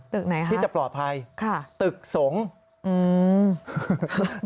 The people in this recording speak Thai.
ตึกไหนครับที่จะปลอดภัยตึกสงค์